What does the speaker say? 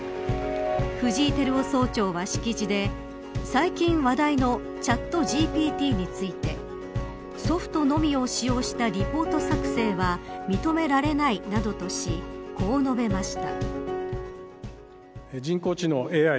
藤井輝夫総長は式辞で最近話題のチャットＧＰＴについてソフトのみを使用したリポート作成は認められないなどとしこう述べました。